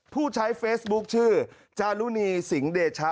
ผู้ใช้เฟซบุ๊คชื่อจารุณีสิงห์เดชะ